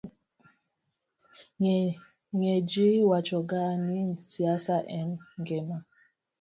ng'eny ji wacho ga ni siasa en ngima